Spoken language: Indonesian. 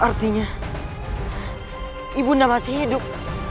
artinya ibunda masih hidup